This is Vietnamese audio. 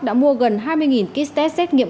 đã mua gần hai mươi kit test xét nghiệm